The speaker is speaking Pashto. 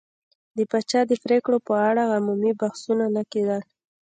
د پاچا د پرېکړو په اړه عمومي بحثونه نه کېدل.